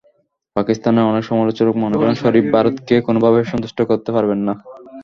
পাকিস্তানের অনেক সমালোচক মনে করেন, শরিফ ভারতকে কোনোভাবেই সন্তুষ্ট করতে পারবেন না।